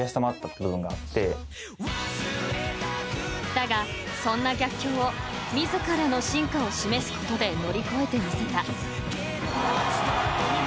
［だがそんな逆境を自らの進化を示すことで乗り越えてみせた］